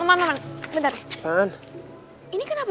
emang lo mau nyari tempat nginep buat gue